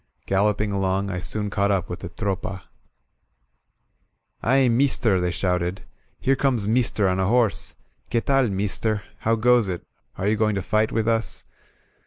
Galloping along, I soon caught up with the Tropa. "Aye, meester!" they shouted. Here comes mees ter on a horse! Que taly meester? How goes it? Are you going to fight with us?''